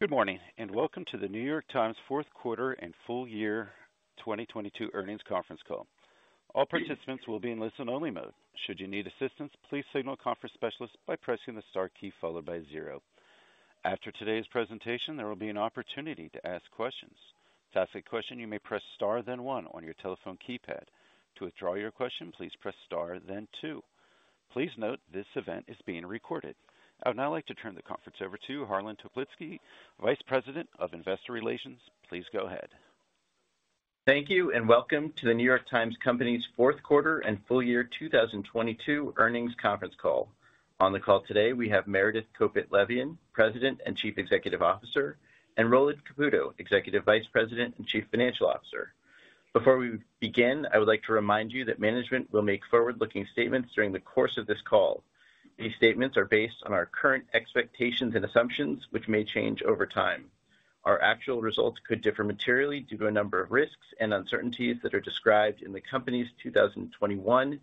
Good morning, and welcome to the New York Times fourth quarter and full year 2022 earnings conference call. All participants will be in listen-only mode. Should you need assistance, please signal a conference specialist by pressing the Star key followed by zero. After today's presentation, there will be an opportunity to ask questions. To ask a question, you may press Star then one on your telephone keypad. To withdraw your question, please press Star then two. Please note this event is being recorded. I would now like to turn the conference over to Harlan Toplitzky, Vice President of Investor Relations. Please go ahead. Thank you, and welcome to The New York Times Company's fourth quarter and full year 2022 earnings conference call. On the call today, we have Meredith Kopit Levien, President and Chief Executive Officer, and Roland Caputo, Executive Vice President and Chief Financial Officer. Before we begin, I would like to remind you that management will make forward-looking statements during the course of this call. These statements are based on our current expectations and assumptions, which may change over time. Our actual results could differ materially due to a number of risks and uncertainties that are described in the Company's 2021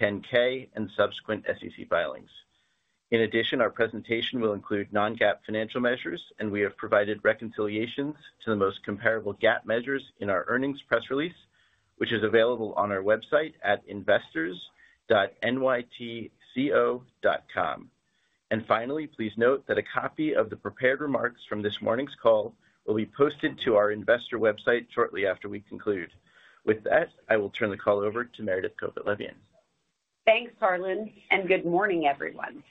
10-K and subsequent SEC filings. In addition, our presentation will include non-GAAP financial measures, and we have provided reconciliations to the most comparable GAAP measures in our earnings press release, which is available on our website at investors.nytco.com. Finally, please note that a copy of the prepared remarks from this morning's call will be posted to our investor website shortly after we conclude. With that, I will turn the call over to Meredith Kopit Levien. Thanks, Harlan, and good morning, everyone.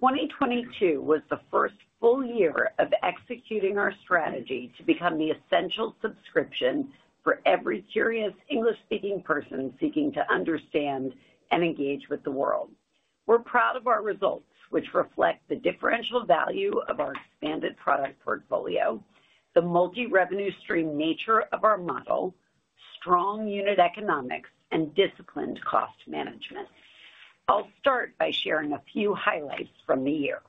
2022 was the first full year of executing our strategy to become the essential subscription for every curious English-speaking person seeking to understand and engage with the world. We're proud of our results, which reflect the differential value of our expanded product portfolio, the multi-revenue stream nature of our model, strong unit economics, and disciplined cost management. I'll start by sharing a few highlights from the year.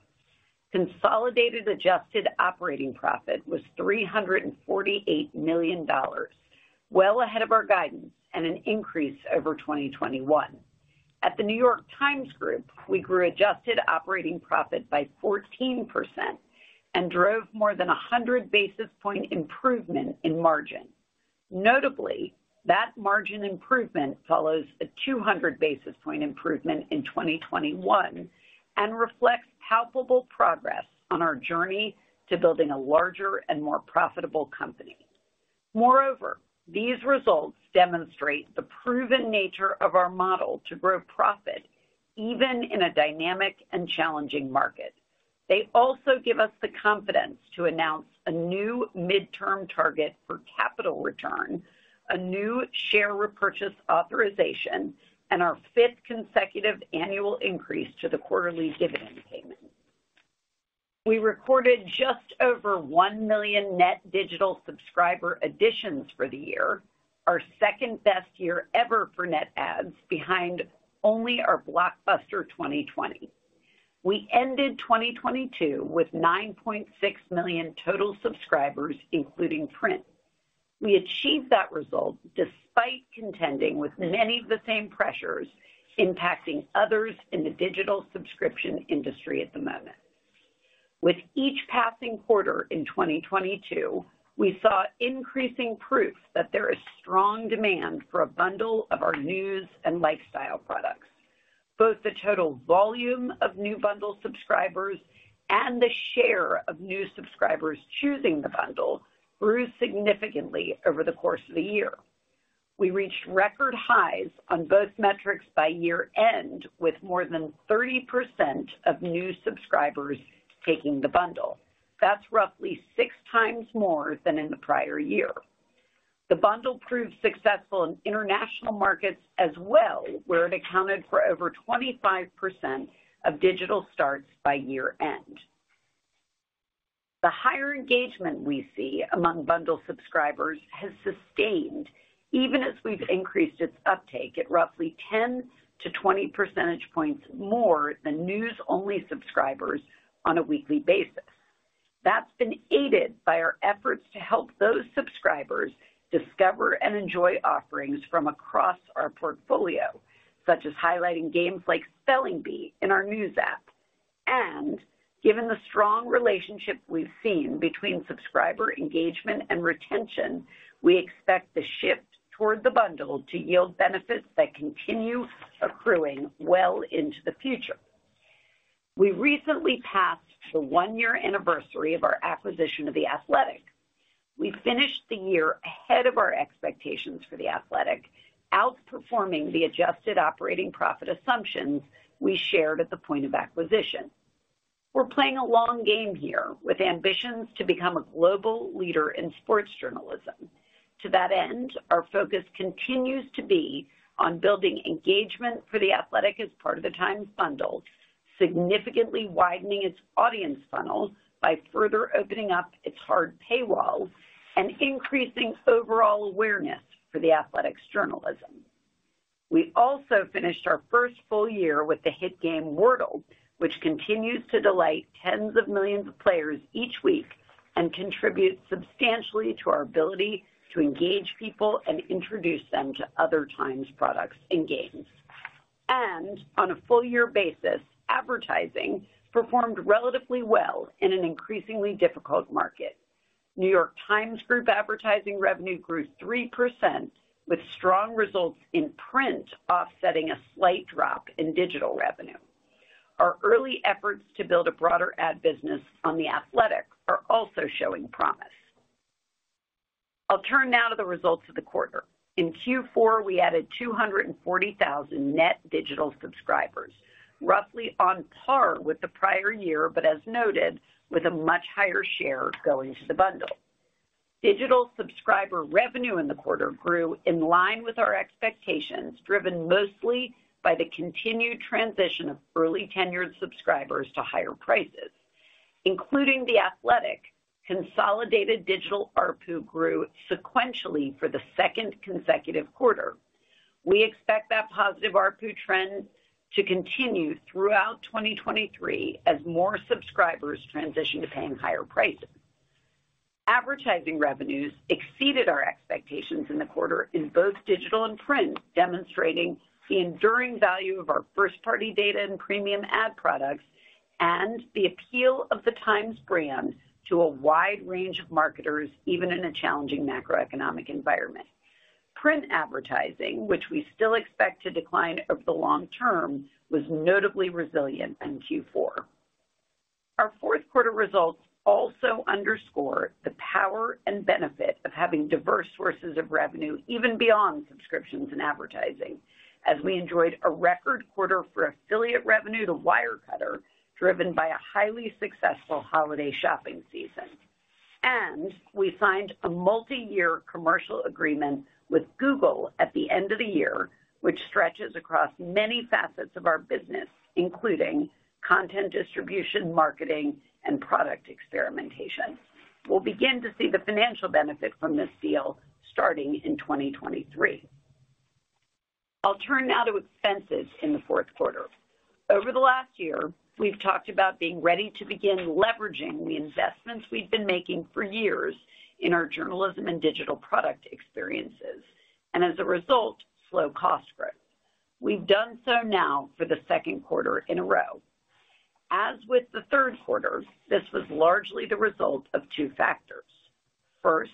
Consolidated adjusted operating profit was $348 million, well ahead of our guidance and an increase over 2021. At the New York Times Group, we grew adjusted operating profit by 14% and drove more than 100 basis point improvement in margin. Notably, that margin improvement follows a 200 basis point improvement in 2021 and reflects palpable progress on our journey to building a larger and more profitable company. Moreover, these results demonstrate the proven nature of our model to grow profit even in a dynamic and challenging market. They also give us the confidence to announce a new midterm target for capital return, a new share repurchase authorization, and our fifth consecutive annual increase to the quarterly dividend payment. We recorded just over 1 million net digital subscriber additions for the year, our second best year ever for net adds behind only our blockbuster 2020. We ended 2022 with 9.6 million total subscribers, including print. We achieved that result despite contending with many of the same pressures impacting others in the digital subscription industry at the moment. With each passing quarter in 2022, we saw increasing proof that there is strong demand for a bundle of our news and lifestyle products. Both the total volume of new bundle subscribers and the share of new subscribers choosing the bundle grew significantly over the course of the year. We reached record highs on both metrics by year-end, with more than 30% of new subscribers taking the bundle. That's roughly 6x more than in the prior year. The bundle proved successful in international markets as well, where it accounted for over 25% of digital starts by year-end. The higher engagement we see among bundle subscribers has sustained even as we've increased its uptake at roughly 10-20 percentage points more than news-only subscribers on a weekly basis. That's been aided by our efforts to help those subscribers discover and enjoy offerings from across our portfolio, such as highlighting games like Spelling Bee in our news app. Given the strong relationship we've seen between subscriber engagement and retention, we expect the shift toward the bundle to yield benefits that continue accruing well into the future. We recently passed the one-year anniversary of our acquisition of The Athletic. We finished the year ahead of our expectations for The Athletic, outperforming the adjusted operating profit assumptions we shared at the point of acquisition. We're playing a long game here with ambitions to become a global leader in sports journalism. To that end, our focus continues to be on building engagement for The Athletic as part of the Times bundle, significantly widening its audience funnel by further opening up its hard paywall and increasing overall awareness for The Athletic's journalism. We also finished our first full year with the hit game Wordle, which continues to delight tens of millions of players each week and contributes substantially to our ability to engage people and introduce them to other Times products and games. On a full year basis, advertising performed relatively well in an increasingly difficult market. New York Times Group advertising revenue grew 3%, with strong results in print offsetting a slight drop in digital revenue. Our early efforts to build a broader ad business on The Athletic are also showing promise. I'll turn now to the results of the quarter. In Q4, we added 240,000 net digital subscribers, roughly on par with the prior year, but as noted, with a much higher share going to the bundle. Digital subscriber revenue in the quarter grew in line with our expectations, driven mostly by the continued transition of early tenured subscribers to higher prices. Including The Athletic, consolidated digital ARPU grew sequentially for the second consecutive quarter. We expect that positive ARPU trend to continue throughout 2023 as more subscribers transition to paying higher prices. Advertising revenues exceeded our expectations in the quarter in both digital and print, demonstrating the enduring value of our first-party data and premium ad products and the appeal of the Times brand to a wide range of marketers, even in a challenging macroeconomic environment. Print advertising, which we still expect to decline over the long term, was notably resilient in Q4. Our fourth quarter results also underscore the power and benefit of having diverse sources of revenue, even beyond subscriptions and advertising, as we enjoyed a record quarter for affiliate revenue to Wirecutter, driven by a highly successful holiday shopping season. We signed a multi-year commercial agreement with Google at the end of the year, which stretches across many facets of our business, including content distribution, marketing, and product experimentation. We'll begin to see the financial benefit from this deal starting in 2023. I'll turn now to expenses in the fourth quarter. Over the last year, we've talked about being ready to begin leveraging the investments we've been making for years in our journalism and digital product experiences, and as a result, slow cost growth. We've done so now for the second quarter in a row. As with the third quarter, this was largely the result of two factors. First,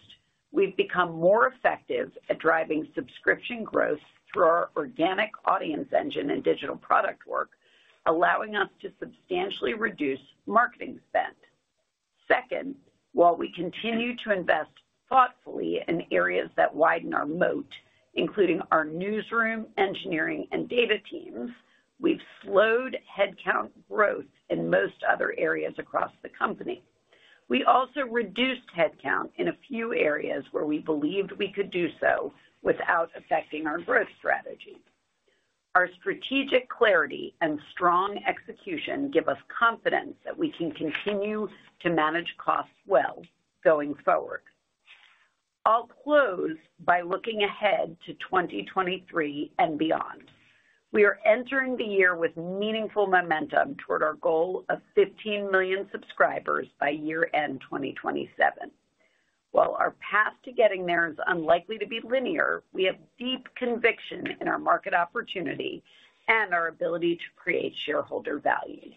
we've become more effective at driving subscription growth through our organic audience engine and digital product work, allowing us to substantially reduce marketing spend. While we continue to invest thoughtfully in areas that widen our moat, including our newsroom, engineering, and data teams, we've slowed headcount growth in most other areas across the company. We also reduced headcount in a few areas where we believed we could do so without affecting our growth strategy. Our strategic clarity and strong execution give us confidence that we can continue to manage costs well going forward. I'll close by looking ahead to 2023 and beyond. We are entering the year with meaningful momentum toward our goal of 15 million subscribers by year-end 2027. Our path to getting there is unlikely to be linear, we have deep conviction in our market opportunity and our ability to create shareholder value.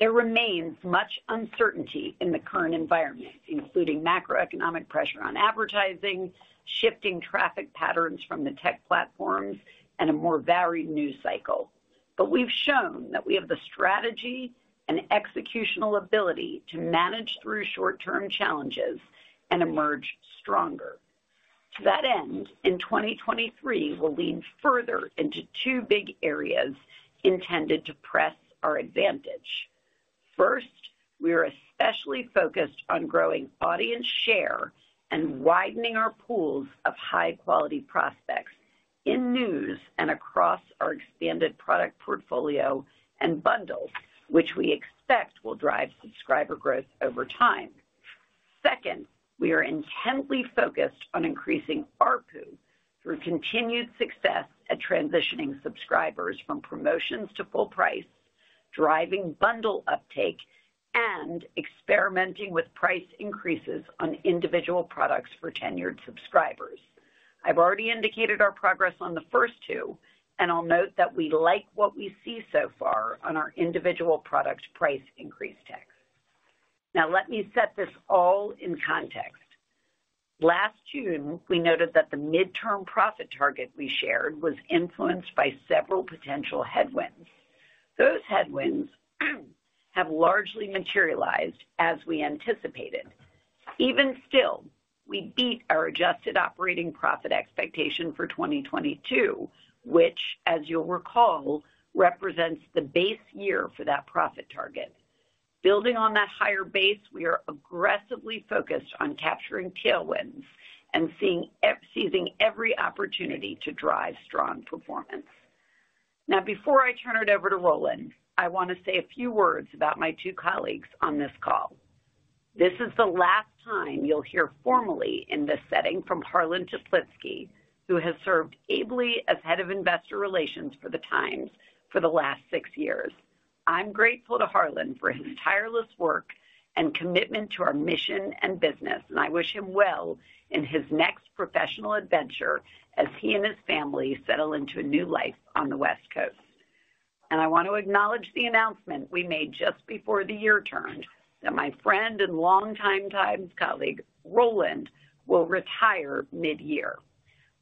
There remains much uncertainty in the current environment, including macroeconomic pressure on advertising, shifting traffic patterns from the tech platforms, and a more varied news cycle. We've shown that we have the strategy and executional ability to manage through short-term challenges and emerge stronger. To that end, in 2023, we'll lean further into two big areas intended to press our advantage. First, we are especially focused on growing audience share and widening our pools of high-quality prospects in news and across our expanded product portfolio and bundles, which we expect will drive subscriber growth over time. Second, we are intently focused on increasing ARPU through continued success at transitioning subscribers from promotions to full price, driving bundle uptake, and experimenting with price increases on individual products for tenured subscribers. I've already indicated our progress on the first two. I'll note that we like what we see so far on our individual product price increase tests. Let me set this all in context. Last June, we noted that the midterm profit target we shared was influenced by several potential headwinds. Those headwinds have largely materialized as we anticipated. Even still, we beat our adjusted operating profit expectation for 2022, which as you'll recall, represents the base year for that profit target. Building on that higher base, we are aggressively focused on capturing tailwinds and seizing every opportunity to drive strong performance. Before I turn it over to Roland, I want to say a few words about my two colleagues on this call. This is the last time you'll hear formally in this setting from Harlan Toplitzky, who has served ably as head of investor relations for the Times for the last six years. I'm grateful to Harlan for his tireless work and commitment to our mission and business. I wish him well in his next professional adventure as he and his family settle into a new life on the West Coast. I want to acknowledge the announcement we made just before the year turned that my friend and longtime Times colleague, Roland Caputo, will retire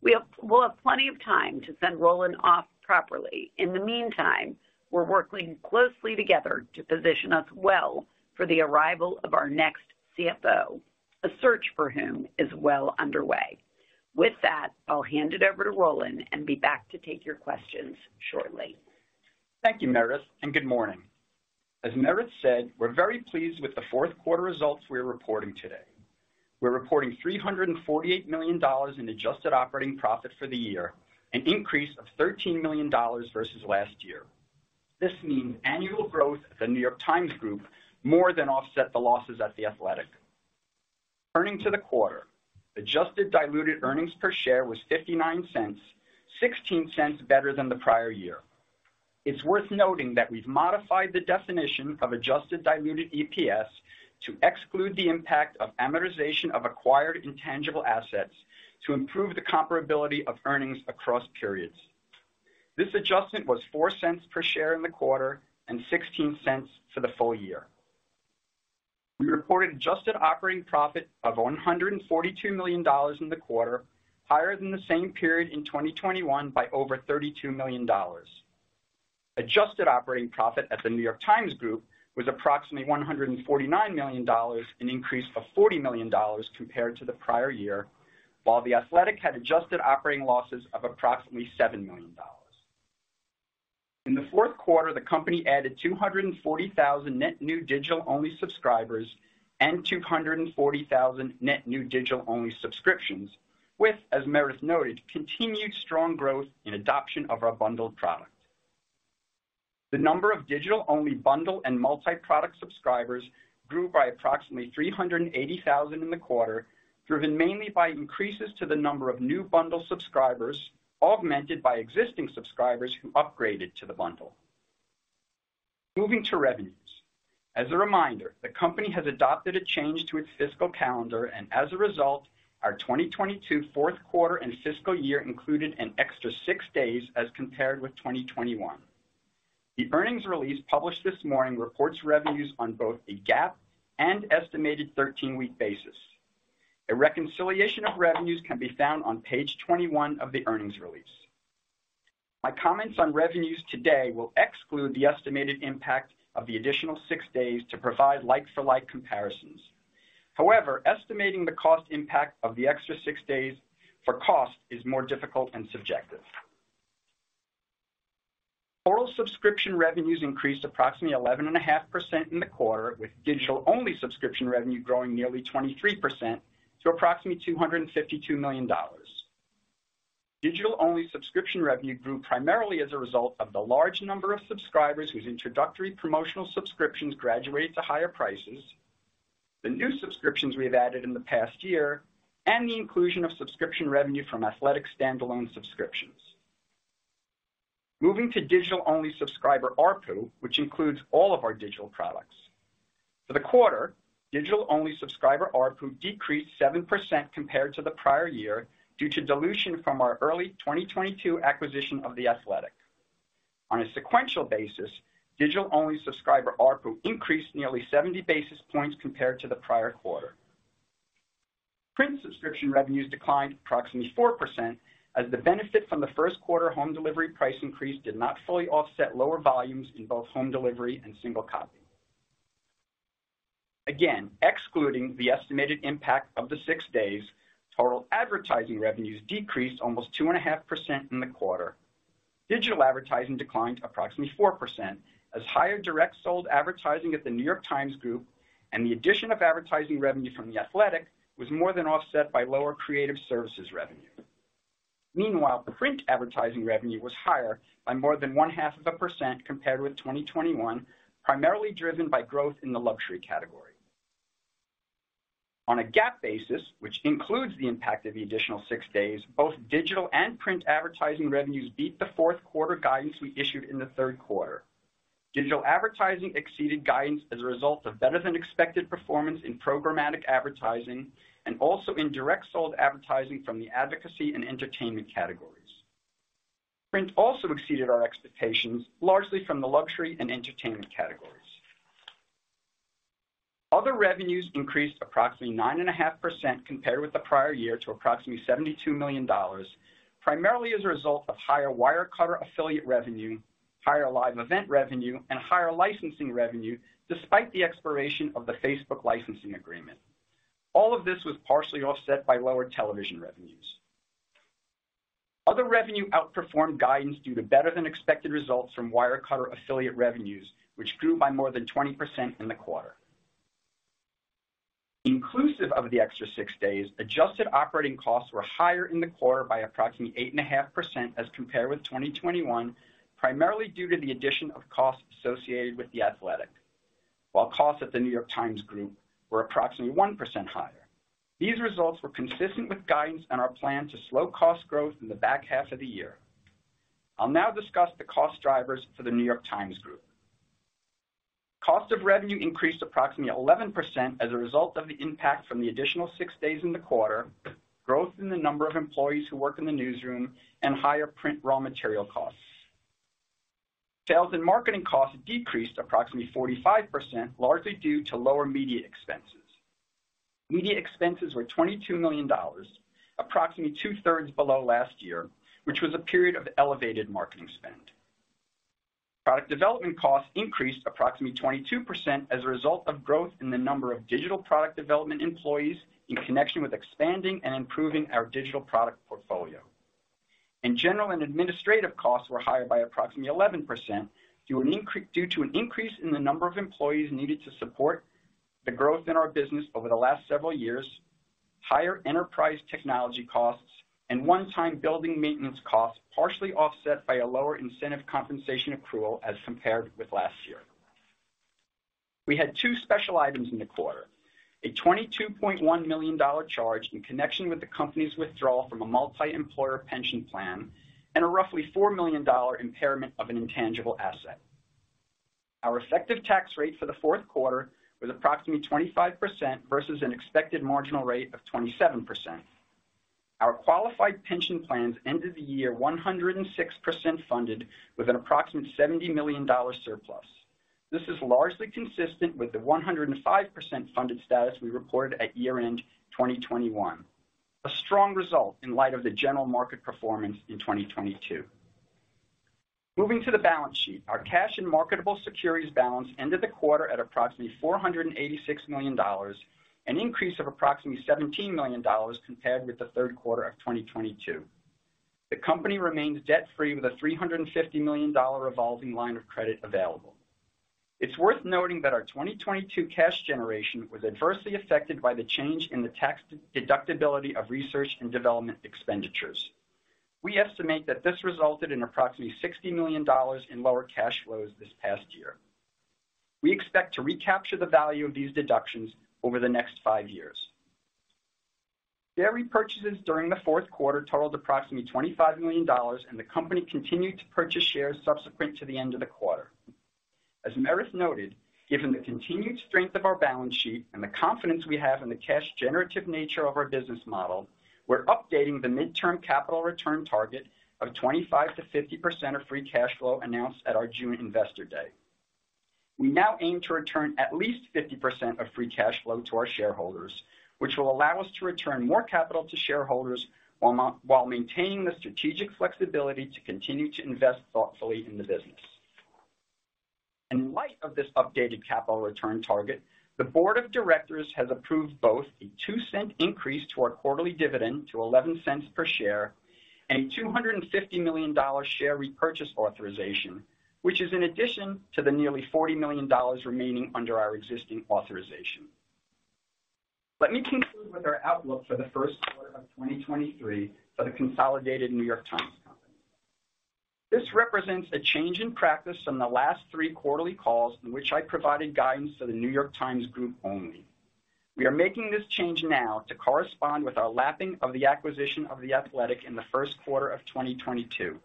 mid-year. We'll have plenty of time to send Roland Caputo off properly. In the meantime, we're working closely together to position us well for the arrival of our next CFO, a search for whom is well underway. With that, I'll hand it over to Roland Caputo and be back to take your questions shortly. Thank you, Meredith, and good morning. As Meredith said, we're very pleased with the fourth quarter results we're reporting today. We're reporting $348 million in adjusted operating profit for the year, an increase of $13 million versus last year. This means annual growth at the New York Times Group more than offset the losses at The Athletic. Turning to the quarter, adjusted diluted EPS was $0.59, $0.16 better than the prior year. It's worth noting that we've modified the definition of adjusted diluted EPS to exclude the impact of amortization of acquired intangible assets to improve the comparability of earnings across periods. This adjustment was $0.04 per share in the quarter and $0.16 for the full year. We reported adjusted operating profit of $142 million in the quarter, higher than the same period in 2021 by over $32 million. Adjusted operating profit at the New York Times Group was approximately $149 million, an increase of $40 million compared to the prior year, while The Athletic had adjusted operating losses of approximately $7 million. In the fourth quarter, the company added 240,000 net new digital-only subscribers and 240,000 net new digital-only subscriptions with, as Meredith noted, continued strong growth in adoption of our bundled product. The number of digital-only bundle and multi-product subscribers grew by approximately 380,000 in the quarter, driven mainly by increases to the number of new bundle subscribers, augmented by existing subscribers who upgraded to the bundle. Moving to revenues. As a reminder, the company has adopted a change to its fiscal calendar, and as a result, our 2022 fourth quarter and fiscal year included an extra six days as compared with 2021. The earnings release published this morning reports revenues on both a GAAP and estimated 13-week basis. A reconciliation of revenues can be found on page 21 of the earnings release. My comments on revenues today will exclude the estimated impact of the additional six days to provide like-for-like comparisons. Estimating the cost impact of the extra six days for cost is more difficult and subjective. Total subscription revenues increased approximately 11.5% in the quarter, with digital-only subscription revenue growing nearly 23% to approximately $252 million. Digital-only subscription revenue grew primarily as a result of the large number of subscribers whose introductory promotional subscriptions graduated to higher prices, the new subscriptions we have added in the past year, and the inclusion of subscription revenue from Athletic standalone subscriptions. Moving to digital-only subscriber ARPU, which includes all of our digital products. For the quarter, digital-only subscriber ARPU decreased 7% compared to the prior year due to dilution from our early 2022 acquisition of The Athletic. On a sequential basis, digital-only subscriber ARPU increased nearly 70 basis points compared to the prior quarter. Print subscription revenues declined approximately 4% as the benefit from the first quarter home delivery price increase did not fully offset lower volumes in both home delivery and single copy. Again, excluding the estimated impact of the six days, total advertising revenues decreased almost 2.5% in the quarter. Digital advertising declined approximately 4% as higher direct sold advertising at the New York Times Group and the addition of advertising revenue from The Athletic was more than offset by lower creative services revenue. Print advertising revenue was higher by more than one-half of a percent compared with 2021, primarily driven by growth in the luxury category. On a GAAP basis, which includes the impact of the additional six days, both digital and print advertising revenues beat the fourth quarter guidance we issued in the third quarter. Digital advertising exceeded guidance as a result of better than expected performance in programmatic advertising and also in direct sold advertising from the advocacy and entertainment categories. Print also exceeded our expectations, largely from the luxury and entertainment categories. Other revenues increased approximately 9.5% compared with the prior year to approximately $72 million, primarily as a result of higher Wirecutter affiliate revenue, higher live event revenue, and higher licensing revenue, despite the expiration of the Facebook licensing agreement. This was partially offset by lower television revenues. Other revenue outperformed guidance due to better than expected results from Wirecutter affiliate revenues, which grew by more than 20% in the quarter. Inclusive of the extra six days, adjusted operating costs were higher in the quarter by approximately 8.5% as compared with 2021, primarily due to the addition of costs associated with The Athletic. Costs at the New York Times Group were approximately 1% higher. These results were consistent with guidance and our plan to slow cost growth in the back half of the year. I'll now discuss the cost drivers for the New York Times Group. Cost of revenue increased approximately 11% as a result of the impact from the additional six days in the quarter, growth in the number of employees who work in the newsroom, and higher print raw material costs. Sales and marketing costs decreased approximately 45%, largely due to lower media expenses. Media expenses were $22 million, approximately two-thirds below last year, which was a period of elevated marketing spend. Product development costs increased approximately 22% as a result of growth in the number of digital product development employees in connection with expanding and improving our digital product portfolio. In general, and administrative costs were higher by approximately 11% due to an increase in the number of employees needed to support the growth in our business over the last several years, higher enterprise technology costs, and one-time building maintenance costs, partially offset by a lower incentive compensation accrual as compared with last year. We had two special items in the quarter. A $22.1 million charge in connection with the company's withdrawal from a multiemployer pension plan, and a roughly $4 million impairment of an intangible asset. Our effective tax rate for the fourth quarter was approximately 25% versus an expected marginal rate of 27%. Our qualified pension plans ended the year 106% funded with an approximate $70 million surplus. This is largely consistent with the 105% funded status we reported at year-end 2021. A strong result in light of the general market performance in 2022. Moving to the balance sheet. Our cash and marketable securities balance ended the quarter at approximately $486 million, an increase of approximately $17 million compared with the third quarter of 2022. The company remains debt free with a $350 million revolving line of credit available. It's worth noting that our 2022 cash generation was adversely affected by the change in the tax deductibility of research and development expenditures. We estimate that this resulted in approximately $60 million in lower cash flows this past year. We expect to recapture the value of these deductions over the next five years. Share repurchases during the fourth quarter totaled approximately $25 million. The company continued to purchase shares subsequent to the end of the quarter. As Meredith noted, given the continued strength of our balance sheet and the confidence we have in the cash generative nature of our business model, we're updating the midterm capital return target of 25%-50% of free cash flow announced at our June Investor Day. We now aim to return at least 50% of free cash flow to our shareholders, which will allow us to return more capital to shareholders while maintaining the strategic flexibility to continue to invest thoughtfully in the business. In light of this updated capital return target, the board of directors has approved both a $0.02 increase to our quarterly dividend to $0.11 per share and a $250 million share repurchase authorization, which is in addition to the nearly $40 million remaining under our existing authorization. Let me conclude with our outlook for the first quarter of 2023 for the consolidated The New York Times Company. This represents a change in practice from the last three quarterly calls in which I provided guidance to the New York Times Group only. We are making this change now to correspond with our lapping of the acquisition of The Athletic in the first quarter of 2022.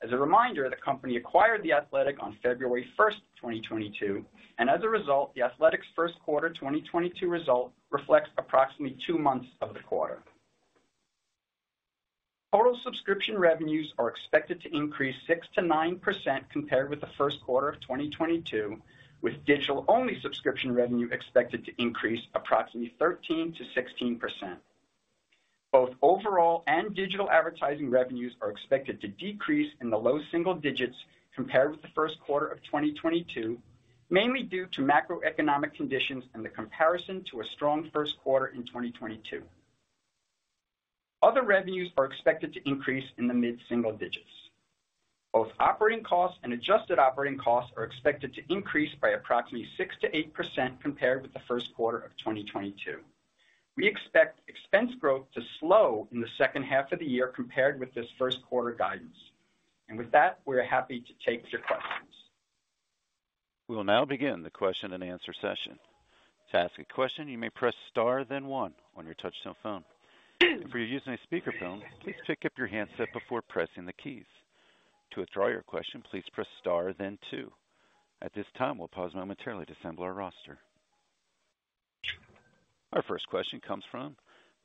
As a reminder, the company acquired The Athletic on February first, 2022, and as a result, The Athletic's first quarter 2022 result reflects approximately two months of the quarter. Total subscription revenues are expected to increase 6%-9% compared with the first quarter of 2022, with digital-only subscription revenue expected to increase approximately 13%-16%. Both overall and digital advertising revenues are expected to decrease in the low single digits compared with the first quarter of 2022, mainly due to macroeconomic conditions and the comparison to a strong first quarter in 2022. Other revenues are expected to increase in the mid-single digits. Both operating costs and adjusted operating costs are expected to increase by approximately 6%-8% compared with the first quarter of 2022. We expect expense growth to slow in the second half of the year compared with this first quarter guidance. With that, we're happy to take your questions. We will now begin the question and answer session. To ask a question, you may press Star then one on your touch tone phone. If you're using a speakerphone, please pick up your handset before pressing the keys. To withdraw your question, please press Star then one. At this time, we'll pause momentarily to assemble our roster. Our first question comes from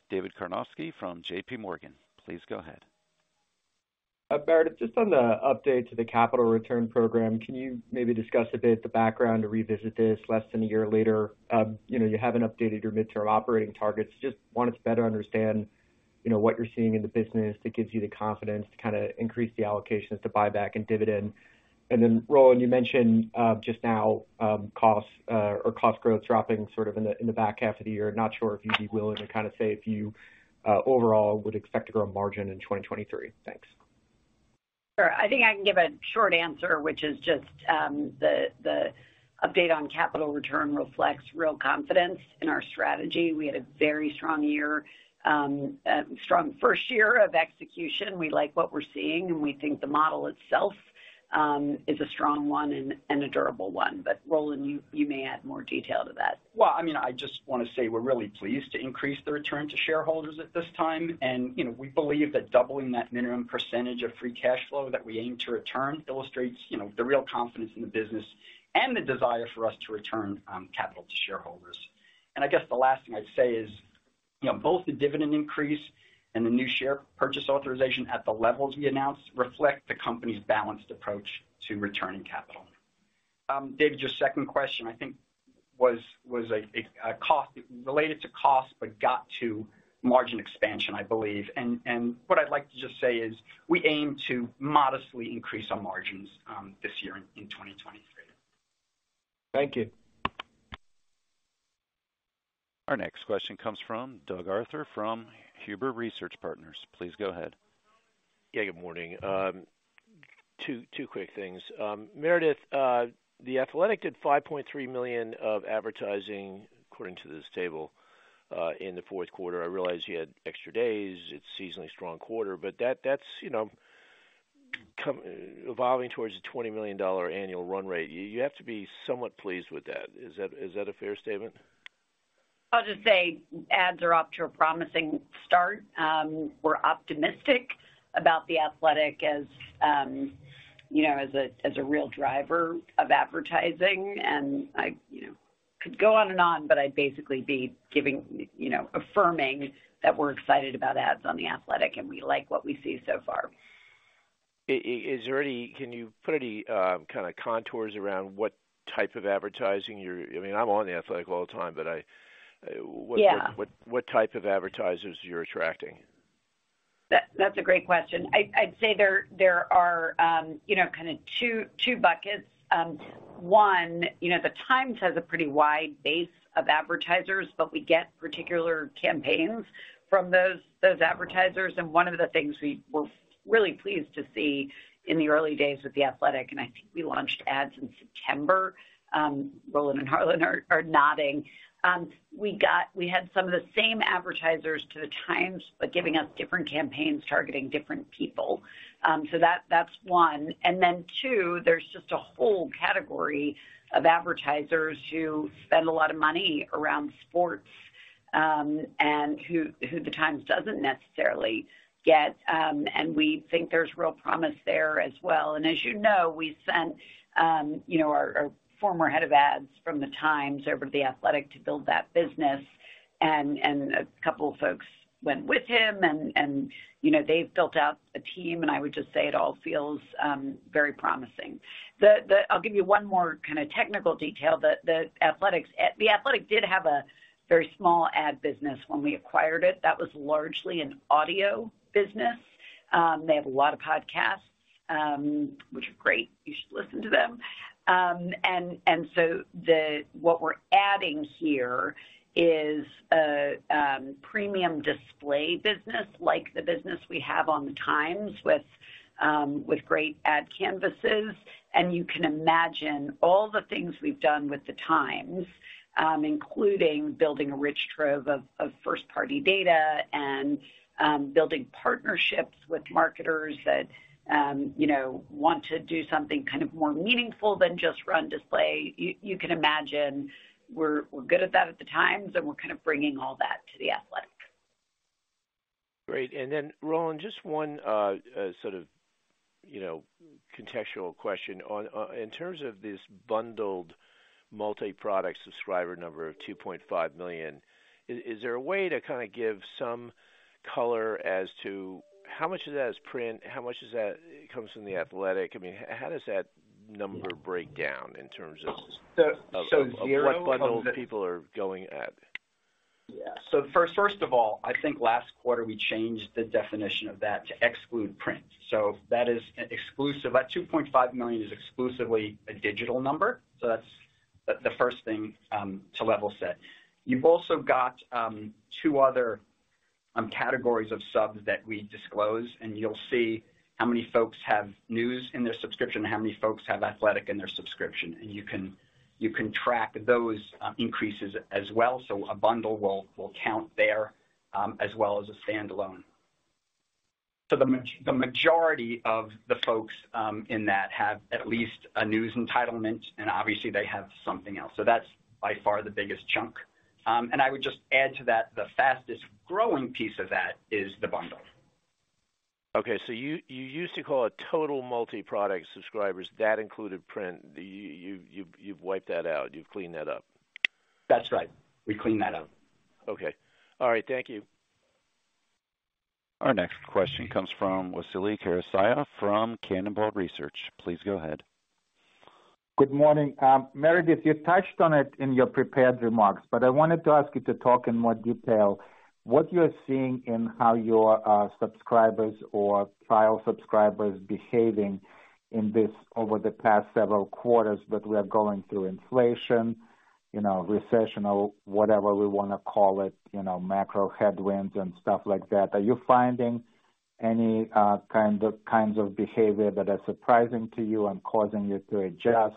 David Karnovsky from JPMorgan. Please go ahead. Meredith, just on the update to the capital return program, can you maybe discuss a bit the background to revisit this less than a year later? You know, you haven't updated your midterm operating targets. Just wanted to better understand, you know, what you're seeing in the business that gives you the confidence to kinda increase the allocations to buyback and dividend. Roland, you mentioned, just now, costs, or cost growth dropping sort of in the back half of the year. Not sure if you'd be willing to kind of say if you, overall would expect to grow margin in 2023. Thanks. Sure. I think I can give a short answer, which is just, the update on capital return reflects real confidence in our strategy. We had a very strong year, strong first year of execution. We like what we're seeing, and we think the model itself is a strong one and a durable one. Roland, you may add more detail to that. Well, I mean, I just wanna say we're really pleased to increase the return to shareholders at this time. You know, we believe that doubling that minimum percentage of free cash flow that we aim to return illustrates, you know, the real confidence in the business and the desire for us to return capital to shareholders. I guess the last thing I'd say is, you know, both the dividend increase and the new share purchase authorization at the levels we announced reflect the company's balanced approach to returning capital. David, your second question, I think was related to cost, but got to margin expansion, I believe. What I'd like to just say is we aim to modestly increase our margins this year in 2023. Thank you. Our next question comes from Douglas Arthur from Huber Research Partners. Please go ahead. Yeah, good morning. Two quick things. Meredith, The Athletic did $5.3 million of advertising, according to this table, in the fourth quarter. I realize you had extra days, it's a seasonally strong quarter, that's, you know, evolving towards a $20 million annual run rate. You have to be somewhat pleased with that. Is that a fair statement? I'll just say ads are off to a promising start. We're optimistic about The Athletic as, you know, as a, as a real driver of advertising. I, you know, could go on and on, but I'd basically be giving, you know, affirming that we're excited about ads on The Athletic, and we like what we see so far. Can you put any kind of contours around what type of advertising you're...? I mean, I'm on The Athletic all the time, but I... Yeah. What type of advertisers you're attracting? That's a great question. I'd say there are, you know, kind of two buckets. One, you know, The Times has a pretty wide base of advertisers, but we get particular campaigns from those advertisers. One of the things we were really pleased to see in the early days with The Athletic, and I think we launched ads in September, Roland and Harlan are nodding. We had some of the same advertisers to The Times, but giving us different campaigns targeting different people. So that's one. Then two, there's just a whole category of advertisers who spend a lot of money around sports, and who The Times doesn't necessarily get. We think there's real promise there as well. As you know, we sent, you know, our former head of ads from the Times over to The Athletic to build that business. A couple of folks went with him and, you know, they've built out a team. I would just say it all feels very promising. I'll give you one more kind of technical detail. The Athletic did have a very small ad business when we acquired it. That was largely an audio business. They have a lot of podcasts, which are great, you should listen to them. What we're adding here is a premium display business like the business we have on the Times with great ad canvases. You can imagine all the things we've done with the Times, including building a rich trove of first-party data and building partnerships with marketers that, you know, want to do something kind of more meaningful than just run display. You can imagine we're good at that at the Times, and we're kind of bringing all that to The Athletic. Great. Then Roland, just one, sort of, you know, contextual question. In terms of this bundled multi-product subscriber number of 2.5 million, is there a way to kinda give some color as to how much of that is print? How much of that comes from The Athletic? I mean, how does that number break down in terms of- So, so here- Of what bundled people are going at? Yeah. First of all, I think last quarter, we changed the definition of that to exclude print. That is an exclusive. That $2.5 million is exclusively a digital number. That's the first thing to level set. You've also got two other categories of subs that we disclose, and you'll see how many folks have news in their subscription and how many folks have Athletic in their subscription. You can track those increases as well. A bundle will count there as well as a standalone. The majority of the folks in that have at least a news entitlement, and obviously they have something else. That's by far the biggest chunk. I would just add to that, the fastest growing piece of that is the bundle. Okay. You used to call it total multi-product subscribers. That included print. You've wiped that out. You've cleaned that up. That's right. We cleaned that up. Okay. All right. Thank you. Our next question comes from Vasily Karasyov from Cannonball Research. Please go ahead. Good morning. Meredith, you touched on it in your prepared remarks, but I wanted to ask you to talk in more detail what you're seeing in how your subscribers or trial subscribers behaving in this over the past several quarters that we are going through inflation, you know, recession or whatever we wanna call it, you know, macro headwinds and stuff like that. Are you finding any kinds of behavior that are surprising to you and causing you to adjust?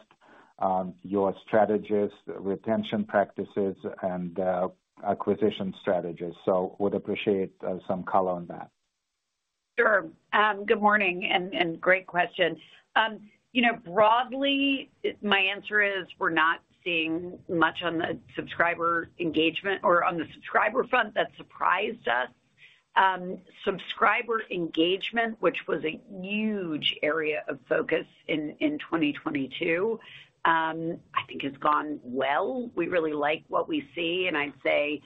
Your strategist retention practices and acquisition strategies. Would appreciate some color on that. Sure. Good morning and great question. You know, broadly, my answer is we're not seeing much on the subscriber engagement or on the subscriber front that surprised us. Subscriber engagement, which was a huge area of focus in 2022, I think has gone well. We really like what we see, and I'd say,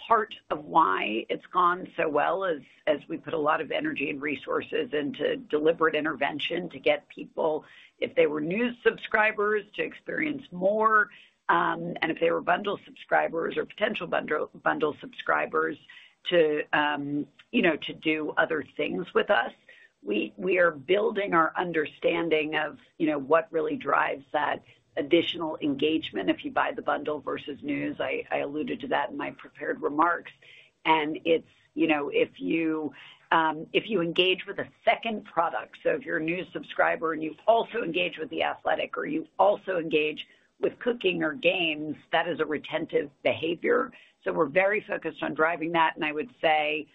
part of why it's gone so well is as we put a lot of energy and resources into deliberate intervention to get people, if they were news subscribers, to experience more, and if they were bundle subscribers or potential bundle subscribers to, you know, to do other things with us. We are building our understanding of, you know, what really drives that additional engagement if you buy the bundle versus news. I alluded to that in my prepared remarks. It's, you know, if you engage with a second product, if you're a news subscriber and you also engage with The Athletic or you also engage with cooking or games, that is a retentive behavior. We're very focused on driving that, and I would say,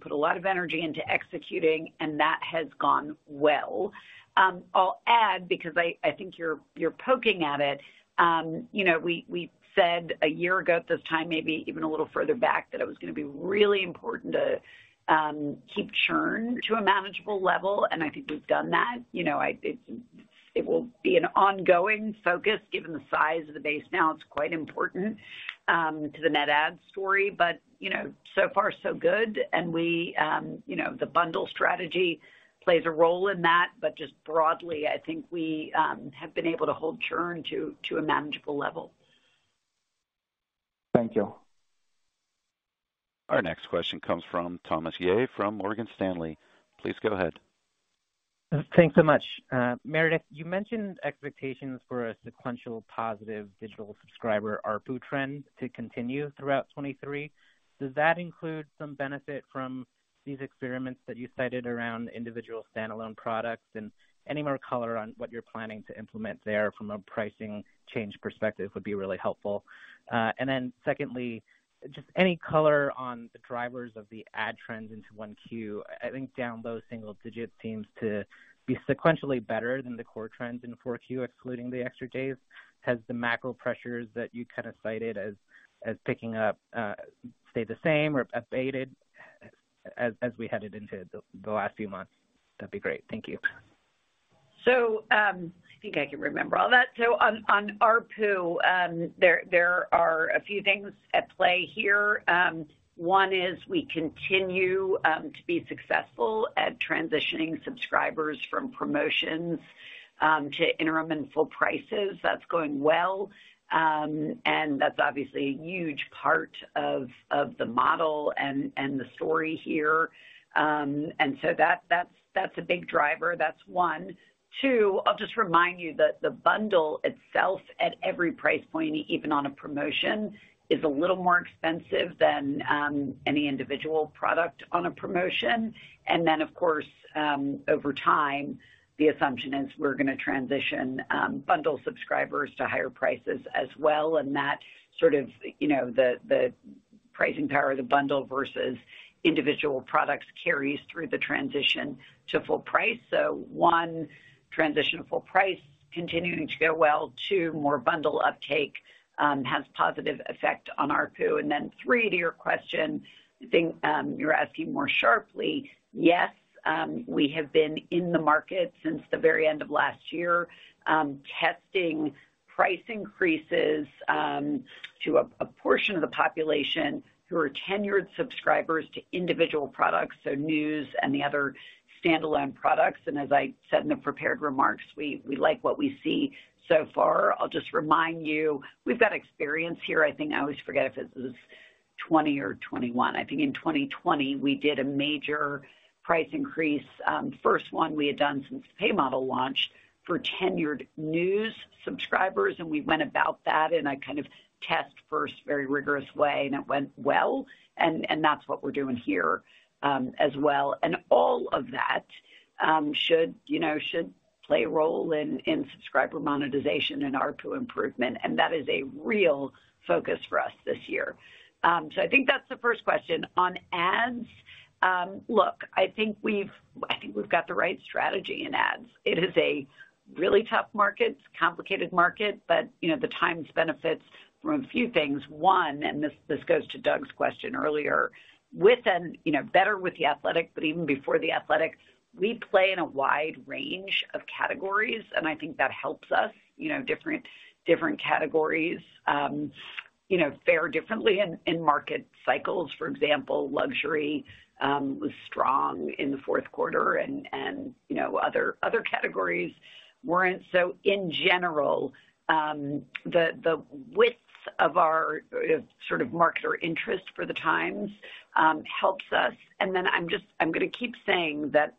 put a lot of energy into executing, and that has gone well. I'll add, because I think you're poking at it. You know, we said a year ago at this time, maybe even a little further back, that it was gonna be really important to keep churn to a manageable level, and I think we've done that. You know, it's, it will be an ongoing focus. Given the size of the base now, it's quite important to the net add story, but, you know, so far so good. We, you know, the bundle strategy plays a role in that. Just broadly, I think we have been able to hold churn to a manageable level. Thank you. Our next question comes from Thomas Yeh from Morgan Stanley. Please go ahead. Thanks so much. Meredith, you mentioned expectations for a sequential positive digital subscriber ARPU trend to continue throughout 2023. Does that include some benefit from these experiments that you cited around individual standalone products? Any more color on what you're planning to implement there from a pricing change perspective would be really helpful. Secondly, just any color on the drivers of the ad trends into 1Q. I think down low single digits seems to be sequentially better than the core trends in 4Q, excluding the extra days. Has the macro pressures that you kind of cited as picking up stay the same or abated as we headed into the last few months? That'd be great. Thank you. I think I can remember all that. On ARPU, there are a few things at play here. One is we continue to be successful at transitioning subscribers from promotions to interim and full prices. That's going well, and that's obviously a huge part of the model and the story here. That's a big driver. That's one. Two, I'll just remind you that the bundle itself at every price point, even on a promotion, is a little more expensive than any individual product on a promotion. Then, of course, over time, the assumption is we're gonna transition bundle subscribers to higher prices as well, and that sort of, you know, the pricing power of the bundle versus individual products carries through the transition to full price. One, transition to full price continuing to go well. Two, more bundle uptake, has positive effect on ARPU. Three, to your question, I think, you're asking more sharply. Yes, we have been in the market since the very end of last year, testing price increases, to a portion of the population who are tenured subscribers to individual products, so news and the other standalone products. As I said in the prepared remarks, we like what we see so far. I'll just remind you, we've got experience here. I think I always forget if this is 2020 or 2021. I think in 2020 we did a major price increase, first one we had done since the pay model launch for tenured news subscribers, and we went about that in a kind of test first, very rigorous way, and it went well. That's what we're doing here as well. All of that should, you know, should play a role in subscriber monetization and ARPU improvement, that is a real focus for us this year. I think that's the first question. On ads, look, I think we've got the right strategy in ads. It is a really tough market. It's a complicated market, but, you know, The Times benefits from a few things. One, this goes to Doug's question earlier. you know, better with The Athletic. Even before The Athletic, we play in a wide range of categories. I think that helps us. You know, different categories, you know, fare differently in market cycles. For example, luxury was strong in the fourth quarter and, you know, other categories weren't. In general, the width of our sort of marketer interest for the Times helps us. I'm gonna keep saying that,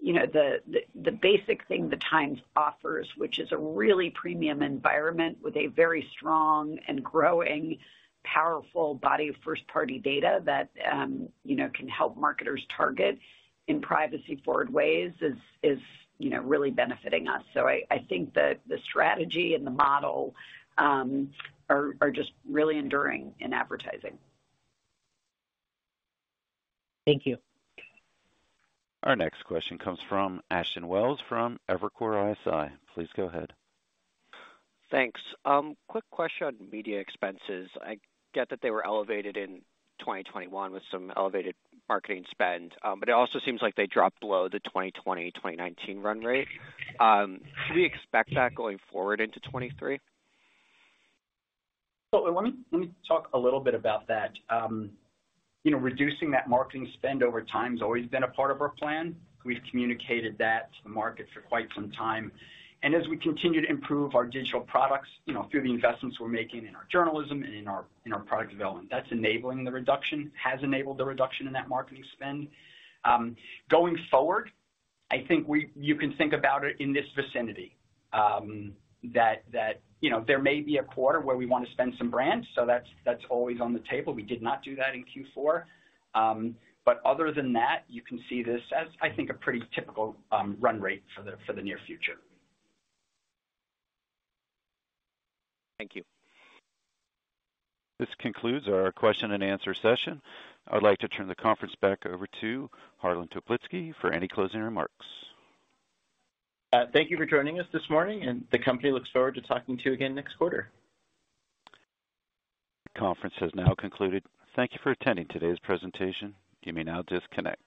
you know, the basic thing the Times offers, which is a really premium environment with a very strong and growing powerful body of first-party data that, you know, can help marketers target in privacy-forward ways, is, you know, really benefiting us. I think the strategy and the model are just really enduring in advertising. Thank you. Our next question comes from Ashton Welles from Evercore ISI. Please go ahead. Thanks. Quick question on media expenses. I get that they were elevated in 2021 with some elevated marketing spend, but it also seems like they dropped below the 2020, 2019 run rate. Should we expect that going forward into 2023? Let me talk a little bit about that. You know, reducing that marketing spend over time has always been a part of our plan. We've communicated that to the market for quite some time. As we continue to improve our digital products, you know, through the investments we're making in our journalism and in our product development, that's enabling the reduction, has enabled the reduction in that marketing spend. Going forward, I think you can think about it in this vicinity, you know, there may be a quarter where we wanna spend some brands, that's always on the table. We did not do that in Q4. Other than that, you can see this as, I think, a pretty typical run rate for the near future. Thank you. This concludes our question and answer session. I'd like to turn the conference back over to Harlan Toplitzky for any closing remarks. Thank you for joining us this morning, and the company looks forward to talking to you again next quarter. Conference has now concluded. Thank you for attending today's presentation. You may now disconnect.